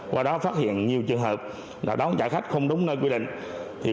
qua đó phát hiện nhiều trường hợp đón trả khách không đúng nơi quy định